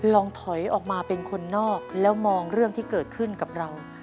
ลองถอยออกมาเป็นคนนอกแล้วมองเรื่องที่เกิดขึ้นกับเรา